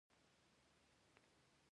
او هلته به ئې سپېڅلې جوړې ميرمنې په برخه وي